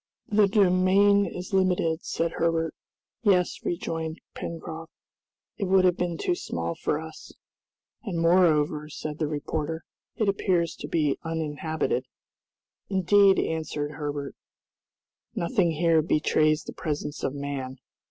"The domain is limited," said Herbert. "Yes," rejoined Pencroft: "It would have been too small for us." "And moreover," said the reporter, "it appears to be uninhabited." "Indeed," answered Herbert, "nothing here betrays the presence of man."